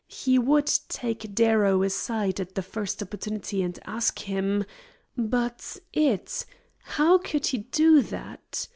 He would take Darrow aside at the first opportunity and ask him But it! how could he do that?